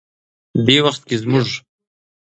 دې وخت کې زموږ